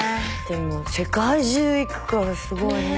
でも世界中行くからすごいね。